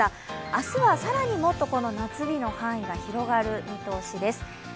明日は更にもっとこの夏日の範囲が広がる見通しです。